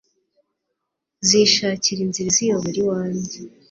zishakira inzira iziyobora iwanjye